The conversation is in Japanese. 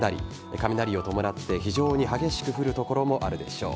雷を伴って非常に激しく降る所もあるでしょう。